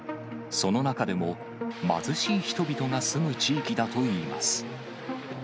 その中でも貧しい人々が住む地域だといいます。